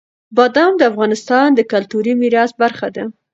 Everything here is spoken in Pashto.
بادام د افغانستان د کلتوري میراث برخه ده.